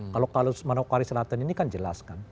kalau manokwari selatan ini kan jelas kan